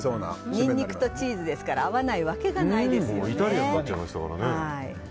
ニンニクとチーズですから合わないわけがないですね。